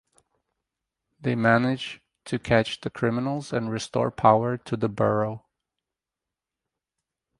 They manage to catch the criminals and restore power to the borough.